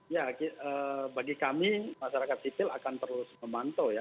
ya bagi kami masyarakat sipil akan terus memantau ya